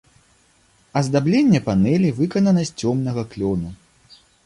Аздабленне панэлі выканана з цёмнага клёну.